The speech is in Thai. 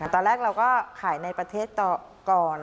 ตอนแรกเราก็ขายในประเทศต่อก่อน